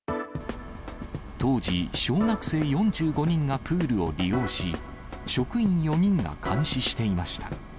当時、小学生４５人がプールを利用し、職員４人が監視していました。